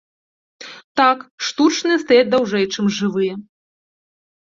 Так, штучныя стаяць даўжэй, чым жывыя.